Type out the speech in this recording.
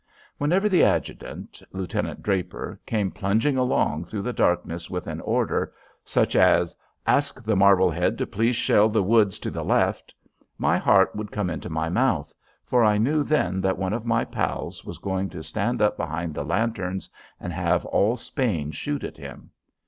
Whenever the adjutant, Lieutenant Draper, came plunging along through the darkness with an order such as: "Ask the Marblehead to please shell the woods to the left" my heart would come into my mouth, for I knew then that one of my pals was going to stand up behind the lanterns and have all Spain shoot at him.